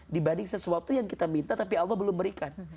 dibanding sesuatu yang kita minta tapi allah belum berikan